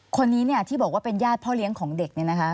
คนนี้เนี่ยที่บอกว่าเป็นญาติพ่อเลี้ยงของเด็กเนี่ยนะคะ